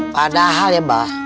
padahal ya ba